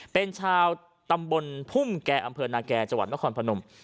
เป็นชาวตำบลพุ่มแก่อำเภอนาแก่จังหวัดนครพนม